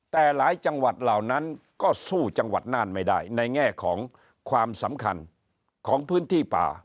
แต่หลายจังหวัดเหล่านั้นก็สู้จังหวัดน่านไม่ได้ในแง่ของความสำคัญของพื้นที่ป่า